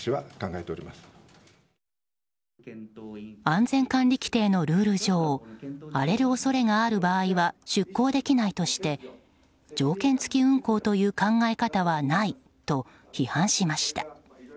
安全管理規程のルール上荒れる恐れがある場合は出航できないとして条件付き運行という考え方はないと批判しました。